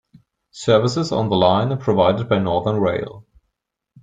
Services on the line are provided by Northern Rail.